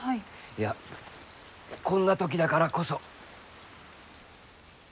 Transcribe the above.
いやこんな時だからこそ。